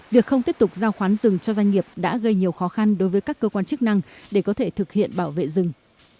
việc không tiếp tục giao khoán rừng cho doanh nghiệp đã gây nhiều khó khăn đối với các cơ quan chức năng để có thể thực hiện bảo vệ rừng